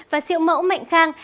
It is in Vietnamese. và siệu mẫu mạnh khang